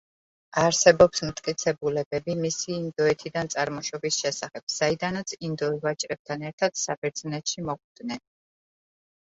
არსებობს მტკიცებულებები მისი ინდოეთიდან წარმოშობის შესახებ, საიდანაც ინდოელ ვაჭრებთან ერთად საბერძნეთში მოხვდნენ.